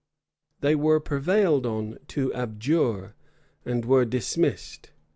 They were prevailed on to abjure, and were dismissed.